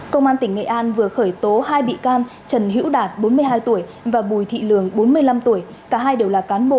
công an tỉnh nghệ an vừa khởi tố hai bị can trần hữu đạt bốn mươi hai tuổi và bùi thị lường bốn mươi năm tuổi cả hai đều là cán bộ